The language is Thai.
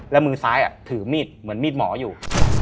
แล้วมือซ้ายถือมีดเหมือนมีดหมออยู่